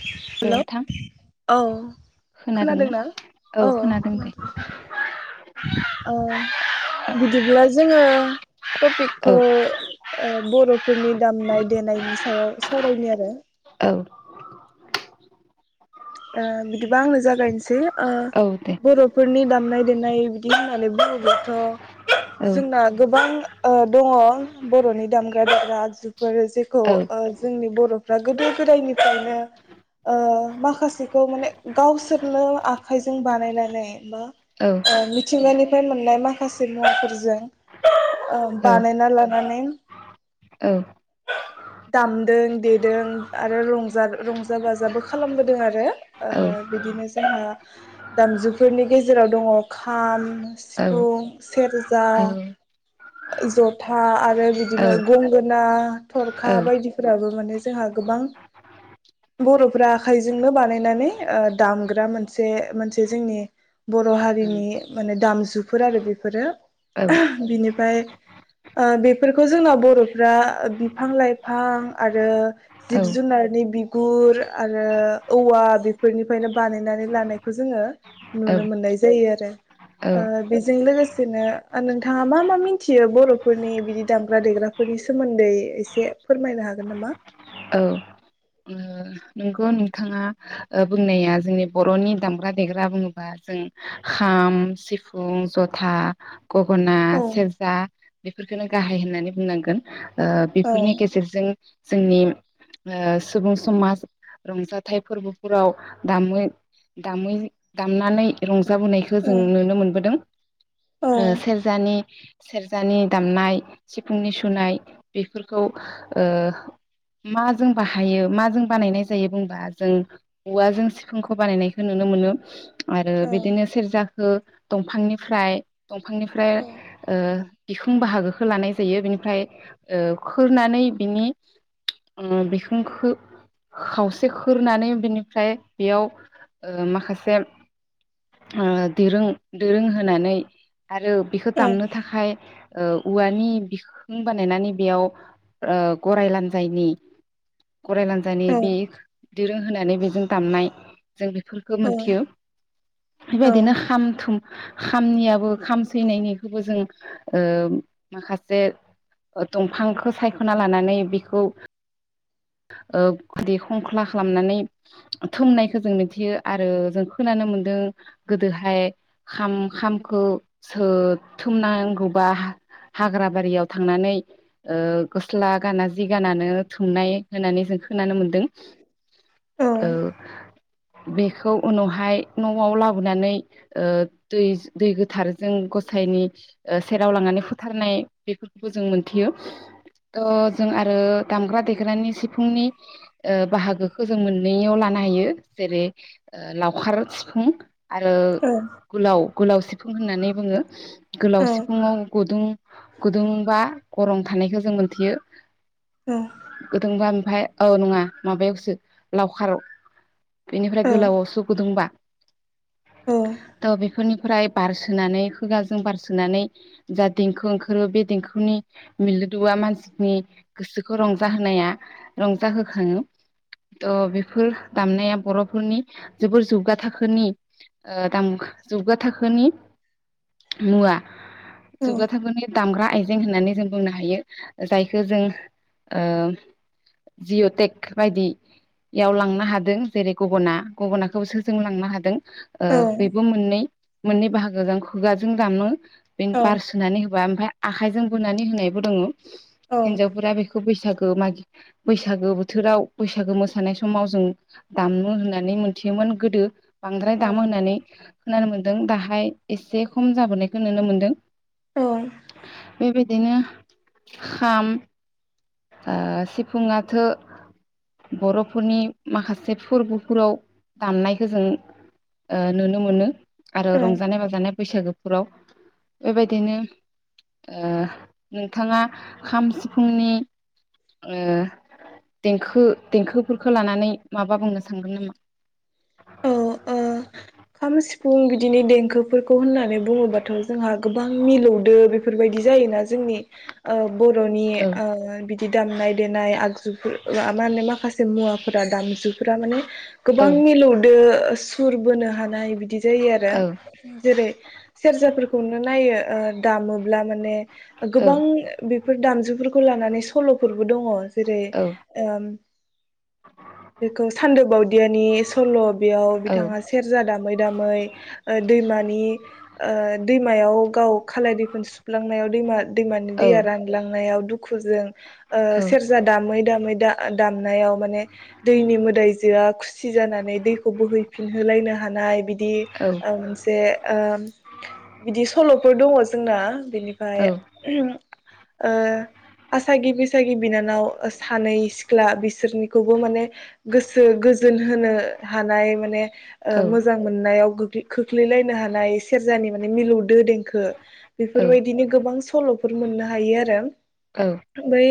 Hello औ खोनादोंना औ खोनादों औ बिदिब्ला जोङो औ टपिकखौ ओ बर'फोरनि दामनाय देनायनि सायाव सावरायनि आरो औ ओ बिदिबा आंनो जागायनोसै औ दे बर'फोरनि दाम दामनाय देनाय बिदि होननानै बुङोबथ' औ जोंना गोबां ओ दङ बर'नि दामग्रा देग्रा आगजु फोर जेखौ औ ओ जोंनि बर' फोरा गोदो गोदायनिफ्रायनो ओ माखा सेखौ माने गावसोरनो आखाइजों बानायनानै। बा औ ओ मिथिंगानि फ्राय मोननाय माखासे मुवफोरजों ओ बानायना ला मानि औ दामदों देदों आरो रंजा रंजा बाजाबो खालामबोदों आरो औ ओ बिदिनो जोंहा दामजुफोरनि गेजेराव दङ खाम सिफुं सेरजा जथा आर रो बिदिनो गंगोना ना थरखा बायदिफोराबो माने जोंहा गोबां बर'फ्रा आखाइजोंनो बानाय नानै ओ दामग्रा मोनसे मोनसे जोंनि बर'हारिनि माने दामुफोर आरो बेफोरो बेनिफ्राय ओ बेफोरखौ जोंना बर'फोरा बिफां लाइफां आरो जिब जुनारनि बिगुर आरो औवा बेफोरनिफ्रायनो बानायनानै लानायखौ जोङो नुनो मोननाय जायो आरो औ औ ओ बेजों लोगोसेनो नोंथाङा मा मा मिथियो बर'फोरनि बिदि दामग्रा देग्राफोरनि सोमोन्दै एसे फोरमायनो हागोन नामा? नंगौ नोंथाङा ओ बुंनाया जोंनि बर'नि दामग्रा देग्रा बुङोबा जों खाम सिफुं जथा गगना औ सेरजा बेफोरखौनो गाहाय होन होनानै बुंनांगोन ओ औ बेफोरनि गेजेरजों- जोंनि ओ सुबुं समाज- रंजाथाइ फोरबोफोराव दामै दामै दामनानै रंज जाबोनायखौ औ जों नुनो मोनबोदों औ ओ सेरजानि- सेरजानि दामनाय सिफुंनि सुनाय बेफोरखौ ओ मा जों बाहायो मा जों बानायनाय जाय जायो बुंबा जों औवाजों सिफुंखौ बानायनायखौ नुनो मोनो। आरो औ बिदिनो सेरजा खौ दंफांनिफ्राय दंफांनिफ्राय औ ओ बिखुं बाहागोखो लानाय जायो बिनिफ्राय खोरनानै बिनि उम बिखुंखो खावसे खोरनानै बिनिफ्राय बेयाव ओ माखासे ओ दिरुं दोरों होनानै आरो बेखौ औ दामनो थाखाय ओ औवानि बिखुं बानायनानै बेयाव ओ गराय लांजायनि गराय ला [unintelligible] औ दिरोंहोनानै बेजों दामनाय जों बेफोरखौ औ मोनथियो औ बेबायदिनो खाम थुम खामनियाबो खाम सैनायनिखौबो जों ओ माखासे दंफांखौ सायखना लानानै बेखौ- ओ गुदि खंख्ला खालामनानै थुमनायखौ जों मिथियो आरो जों खोनानो मोन्दों गोदोहायाम खाम खामखो सो थुमनांगौबा हाग्रा बारियाव थांनानै गस्ला गाना जि गानानो थुमनाय होननानै जों- खोनानो मोन दों औ बेखौ उनावहाय नआव लाबोनानै ओ दै दै गोथारजों गसाइनि ओ सेराव लांनानै फोथारनाय बेफोरखौबो जों मोनथियो। अ जों आरो- दामग्रा देग्रानि सिफुंनि- ओ बाहागोखो जों मोननैयाव लानो हायो जेरै लावखार सिफुं आरो औ गुलाव- गोलाव सिफुं होननानै बोङो। गोलाव सिफुङाव गुदुं गुदुंबा- गरं थानायखौ जों मोनथियो। गोदोंबा [unintelligible] औ नङा माबायावसो लावखाराव बेनिफ्राय गोलावावसो गुदुंबा थ बेफोरनिफ्राय बारसोनानै खुगाजों बारसोनानै जा देंखो ओंखारो बे देंखोनि मिलोदुआ मानसिनि गोसोखौ रंजाहोनाया- रंजाहोखाङो त बेफोर दामनाया बरफोरनि जोबोर जौगा थाखोनि ओ दामख जौगा थाखोनि मुवा औ जौगाथाखोनि दामग्रा आइ जें होनानै जों बुंनो हायो जायखौ जों ओ जिअटेक बायदि याव लांनो हादों जेरै गगना गगनाखौसो जों लांनोहादों ओ औ बेबो मोननै मोननै बाहाग जों खुगाजों दामनो। बे औ बार सुनानै होबा ओमफ्राय। आखाइजों बुनानै होनायबो दङ। औ हिनजावफोरा बेखौ बैसागु। ओ मागि। बैसागो बोथोराव बैसागो मोसानाय समाव जों दामनो होननानै मोनथियोमोन गोदो। बांद्राय दाम होनानै। खोनानो मोन्दों दाहाय एसे खम जाबोनायखौ नुनो मोन्दों। औ बे। बिदिनो खाम। ओ सिफुंआथ बरफोरनि माखासे फोरबोफोराव दामनायखौ जों ओ नुनो मोनो। आरो रंजानाय बाजानाय बैसागोफोराव। बेबायदिनो ओ नोंथाङा खाम सिफुंनि। ओ देंखो देंखोफोरखौ लानानै माबा बुंनो सानगोन औ औ नामा। खाम सिफुं बिदिनि देंखोफोर। खौ होननानै बुङोबाथ जोंहा गोबां। गोबां मिलौदो बेफोरबायदि जायोना जोंनि ओ। बरनि औ ओ बिदिद। दामनाय देनाय आगजुफोर। मा माहोनो माखासे मुवाफोरा दामजुफोरा माने गोबां मिलौदो सुरबो! ! नाय बिदि जायो आरो जेरै सेरजाफोर खौनो नायो ओ दामोब्ला माने गोबां ओ बेफोर दामजुफोरखौ खौ लानानै सलफोरबो दङ जेरै ओम बेखौ सान्दो बावदियानि सल बेयाव बिथाङा सेर दामै दामै दैमानि दैमायाव गाव खालाय दैफोन सुफ्लांनायाव दैमा दैमानि दैया रानलांनाय याव दुखुजों ओ सेरजा दामै दामै दाम दामनायाव माने दैनि मोदायजोआ खुसि जानानै दैखौ बोहैफिनहोलायनो हा नाय बिदि मोनसे बिदि सल'फोर दङ जोंना बिनिफ्राय ओ। आसागि बिसागि बिनानाव सानै सिख्ला बिसोरनिखौबो माने गोसो गोजोन होनो। हानाय माने ओ मोजां मोननायाव बि खोख्लैलायनो हानाय सेरजानि माने मिलौदो देंखो बेफोरबायदिनो गोबां सो सलफोर मोननो हायो आरो ओमबाय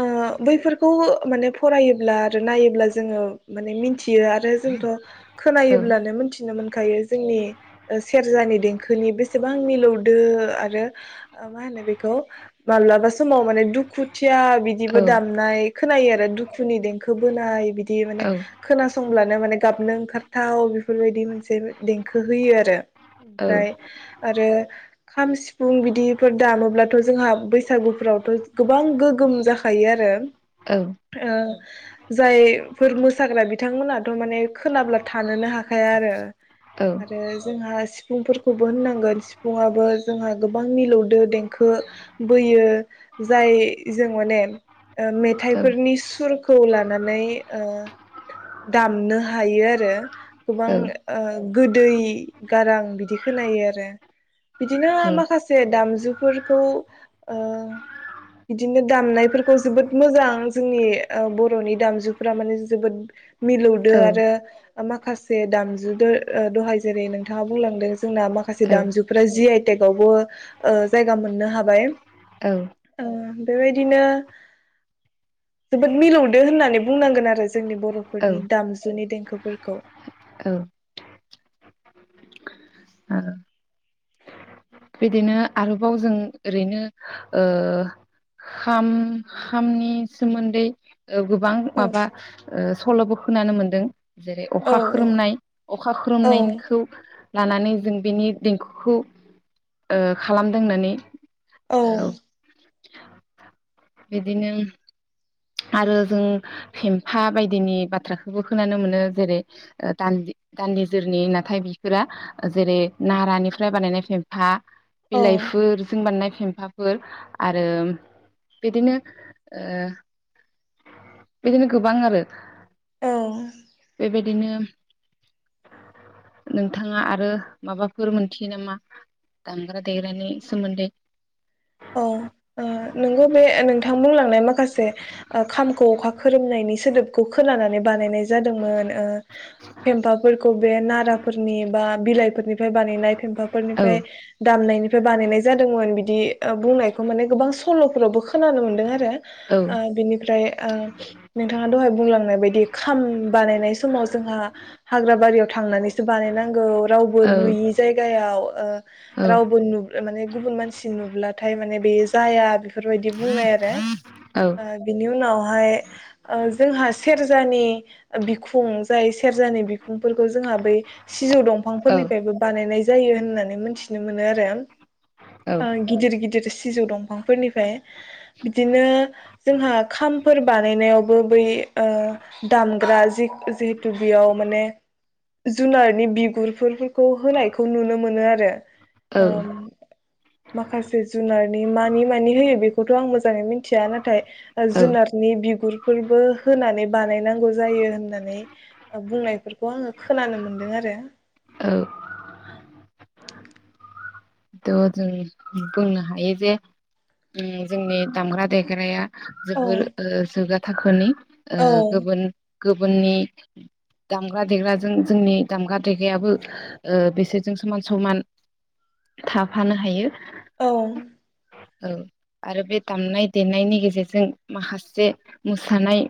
ओ बैफोरखौ माने फरायोब्ला आरो नायोब्ला जोङो माने मिथियो आरो जोंथ खोनायोब्लानो मिथिनो मोन ओंखायो जोंनि सेरजानि देंखोनि बेसेबां मिलौदो आरो मा होनो बेखौ माब्लाबा समाव माने दुखुथि खुथिया बिदिबो दामनाय खोनायो आरो दुखुनि देंखो बोनाय बिदि दि माने खोनास संब्लानो माने गाबनो ओंखार थाव बेफोरबायदि मोनसे देंखो होयो आरो ओमफ्राय आरो खाम सिफुं बिदिफोर दामोब्लाथ जोंहा बैसागुफ्रावथ गोबां गोगोम जाखायो आरो ओ जायफोर मोसाग्रा बिथांमोनाथ माने खोनाब्ला थानोनो हाखाया आरो आरो जोंहा सि सिफुंफोरखौबो होननांगोन सिफुआो जोंहा गोबां मिलौदो देंखो बोयो जाय जों माने मेथाइफोरनि सुरखौ लानानै ओ दामनो हायो आरो गोबां ओ गोदै गारां बिदि खोनायो आरो बिदिनो माखासे दामजुफोरखौ बिदिनो दामनायफोरखौ जोबोद मोजां जोंनि बर नि दामजुफोरा माने जोबोद मिलौदो आरो माखासे दामजु दहाय जेरै नोंथाङा बुंलांदों जोंना माखासे दामजुफ्रा जि आइ टेक गावबो जायगा मोननो हाबाय बेबायदिनो जोबोद मिलौदो होननानै बुंनांगोन आरो जोंनि बर फोरनि दामजुनि देंखोफोर दे खौ बिदिनो आरोबाव जों ओरैनो ओ खाम खामनि सोमोन्दै ओ गोबां औ माबा सलबो खोनानो मोनदों जेरै औ अखा खोरोमनाय अखा खोरोमनायखौ लानानै जों बेनि देंखोखौ ओ खालामदों होननानै औ बिदिनो आरो जों फेमफा बायदिनि बाथ्राखौबो खोनानो मोनो जेरै ओ दान्दि-दान्दिजोरनि नाथाय बिफोरा जेरै नारानिफ्राय बानायनाय फेमफा औ बिलाइफोर जों बानायनाय फेमफाफोर आरो बिदिनो ओ बिदिनो गोबां आरो औ बेबायदिनो नोंथाङा आरो माबाफोर मोनथियो नामा दामग्रा औ देग्रानि सोमोन्दै औ ओ नोंगौ बे नोंथां बुंलांनाय माखासे ओ खामखौ अखा खोरोमनायनि सोदोबखौ खोनानानै बानायनाय जादोंमोन ओ फेम्फाफोरखौ बे नाराफोरनि बा बिलाइफोरनि फ्राय बानायनाय औ फेमफाफोरनिफ्राय दामनायनि बानायनाय जादोंमोन बिदि ओ बुंनायखौ माने गोबां सलफोरावबो खोनानो मोन्दों आरो औ ओ बिनिफ्राय ओ नोंथाङा दहाय बुंलांनाय बायदि बे खाम बानायनाय समाव जोंहा हाग्रा बारियाव थांनानैसो बानायनांगौ रावबो औ नुयि जायगायाव ओ औ रावबो नु माने गुबुन मानसि नुुब्ला थाय माने बेयो जाया बेफोरबायदि बुंनाय आरो औ ओ बिनि उनाव ओ जोंहा ओ सेरजानि बिखुं जाय सेरजानि बिखुंफोरखौ जोंहा बै सिजौ दंफांफोरनिफ्रायबो बानायनाय जायो होननानै मोनथिनो मोनो आरो औ ओ गिदिर सिजौ दंफांफोरनिफ्राय बिदिनो जोंहा खामफोर बानायनायावबो बै ओ दामग्रा जि-जिहेथु बेयाव माने जुनारनि बिगुरफोरखौ होनायखौ नुनो मोनो आरो औ ओम माखासे जुनारनि मानि मानि होयो बेखौथ आं मोजाङै मिथिया नाथाय ओ औ जुनारनि बिगुरफोरबो होनानै बानायनांगौ जायो होननानै बुंनायफोरखौ आङो खोनानो मोनदों आरो औ औ जों बुंनो हायो जे उम जोंनि दामग्रा देग्राया औ जोबोर ओ थाखोनि ओ औ गुबुन गुबुननि दामग्रा देग्राजों जोंनि दामग्रा देगायाबो ओ बिसोरजों समान समान थाफानो हायो औ औ आरो बे दामनाय देनायनि गेजेरजों माखासे मोसानाय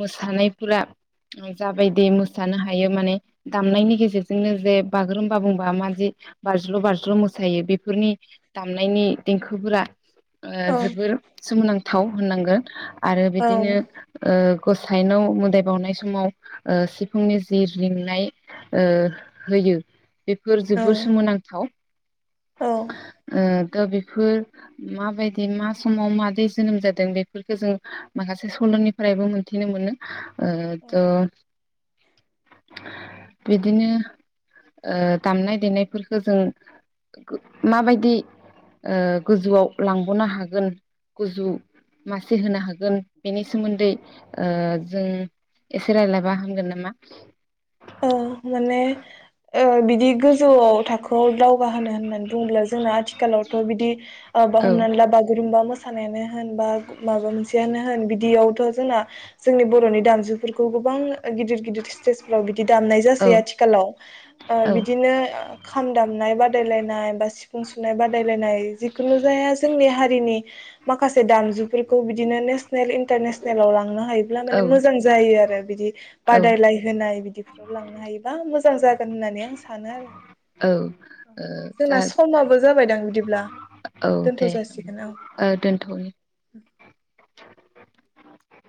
मोसानायफोरा जाबायदि मोसानो हायो माने दामनायनि गेजेरजोंनो जे बागुरुम्बा बुंबा माादि बारज्ल बारज्ल मोसायो बेफोरनि दामनायनि देंखोफोरा ओ औ जोबोर सोमोनां थाव होननांगोन आरो औ बिदिनो ओ गसाइनाव मोदाय बावनाय समाव ओ सिफुंनि जि रिंनाय होयो बेफोर जोबोर सोमोनांथाव औ ओ दा बेफोर माबायदि ज मा समाव मादै जोनोम जादों बेफोरखौ जों माखासे सलनिफ्रायबो मोन्थिनो मोनो ओ औ द बिदिनो ओ दामनाय देनायफोरखौ जों माबायदि ओ गोजौआव लां गनो हागोन गुजु मासे होनो हागोन बेनि सोमोन्दै ओ जों एसे रायज्लायबा हामगोन नामा अ माने ओ बिदि गोजौआव थाखोआव दावगा होनो होननानै बुङोब्ला जोंना आथिखालावथ बिदि आ औ हमनानै ला बागुरुम्बा मो मोसानायानो होन बा माबा मोनसेयानो होन बिदियावथ जोंना जोंनि बरनि दामजुफोरखौ गोबां गिदिर गिदिर स्तेजफोराव बिद दि दामनाय औ जासै आथिखालाव ओ औ बिदिनो खाम दामनाय बा बादायलायनाय बा सिफुं सुनाय बादायलायनाय जिखुनु जाया जोंनि हारि दिनि माखासे दामजुफोरखौ बिदिनो नेस नेल इन्टारनेसनेलाव लांनो हायोब्ला माने मोजां जायो आरो बिदि औ बादायलाय होनाय बिदि लांनो हायोबा मोजां जागोन होननानै आं सानो औ आरो ओ जा जोंना समाबो जाबायदां बिदिब्ला औ दोनथ दे जासिगोन औ। ओ दोनथ'नि